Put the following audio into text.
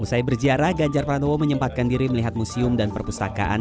usai berziarah ganjar pranowo menyempatkan diri melihat museum dan perpustakaan